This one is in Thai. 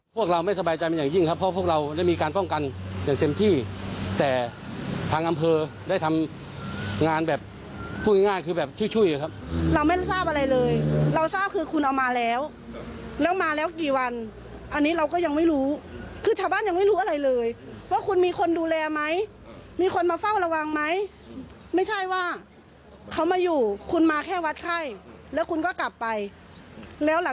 พวกเราไม่สบายใจเป็นอย่างยิ่งครับเพราะพวกเราได้มีการป้องกันอย่างเต็มที่แต่ทางอำเภอได้ทำงานแบบพูดง่ายคือแบบช่วยช่วยครับเราไม่ทราบอะไรเลยเราทราบคือคุณเอามาแล้วแล้วมาแล้วกี่วันอันนี้เราก็ยังไม่รู้คือชาวบ้านยังไม่รู้อะไรเลยว่าคุณมีคนดูแลไหมมีคนมาเฝ้าระวังไหมไม่ใช่ว่าเขามาอยู่คุณมาแค่วัดไข้แล้วคุณก็กลับไปแล้วหลัง